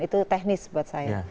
itu teknis buat saya